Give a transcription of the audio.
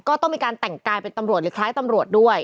ก็ต้องมีการแต่งกายเป็นตำรวจหรือคล้ายตำรวจด้วย